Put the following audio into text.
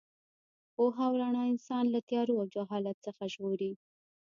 پوهه او رڼا انسان له تیارو او جهالت څخه ژغوري.